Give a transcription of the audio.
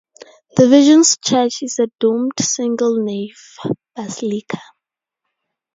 The Virgin's Church is a domed single-nave basilica.